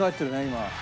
今。